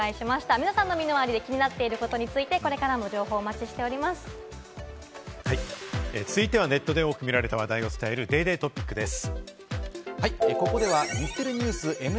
皆さんの気になっていること、これからも情報、お待ちしていま続いてはネットで多く見られた話題を伝えるＤａｙＤａｙ．トピックです。